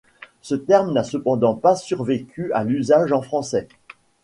Ce terme n'a cependant pas survécu à l'usage en français.